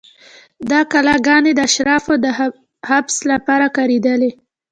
دا کلاګانې د اشرافو د حبس لپاره کارېدلې.